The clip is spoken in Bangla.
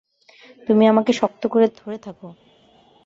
তুমি আমাকে শক্ত করে ধরে থাক।